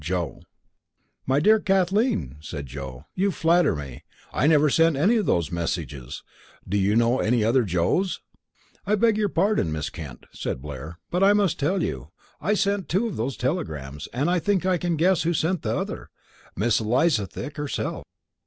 Joe_." "My dear Kathleen," said Joe, "you flatter me. I never sent any of those messages. Do you know any other Joes?" "I beg your pardon, Miss Kent," said Blair. "But I must tell you. I sent two of those telegrams, and I think I can guess who sent the other. Miss Eliza Thick herself."